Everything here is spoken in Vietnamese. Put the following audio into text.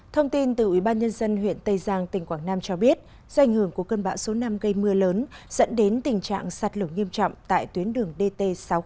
thông tin từ ủy ban nhân dân huyện tây giang tỉnh quảng nam cho biết do ảnh hưởng của cơn bão số năm gây mưa lớn dẫn đến tình trạng sạt lở nghiêm trọng tại tuyến đường dt sáu trăm linh sáu